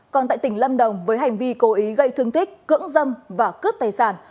còn tại tỉnh lâm đồng với hành vi cố ý gây thương tích cưỡng dâm và cướp tài sản